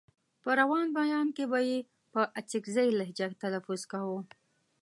په روان بيان کې به يې په اڅکزۍ لهجه تلفظ کاوه.